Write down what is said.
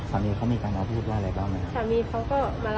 สามีเขาก็มารับฟันในส่วนที่แบบว่าเออมันเป็นอย่างนี้อย่างนี้นะคะพี่